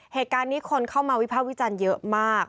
เหตุการณ์นี้คนเข้ามาวิภาควิจารณ์เยอะมาก